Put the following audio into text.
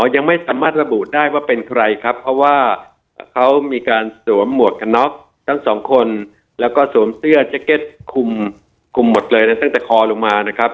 ยังไม่สามารถระบุได้ว่าเป็นใครครับเพราะว่าเขามีการสวมหมวกกันน็อกทั้งสองคนแล้วก็สวมเสื้อแจ็คเก็ตคุมคุมหมดเลยนะตั้งแต่คอลงมานะครับ